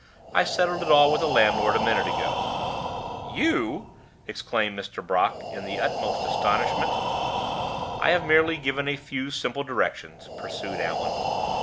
"I settled it all with the landlord a minute ago." "You!" exclaimed Mr. Brock, in the utmost astonishment. "I have merely given a few simple directions," pursued Allan.